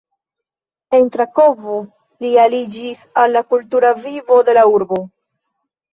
En Krakovo li aliĝis al la kultura vivo de la urbo.